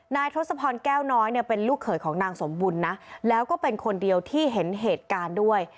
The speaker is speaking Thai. ทศพรแก้วน้อยเนี่ยเป็นลูกเขยของนางสมบุญนะแล้วก็เป็นคนเดียวที่เห็นเหตุการณ์ด้วย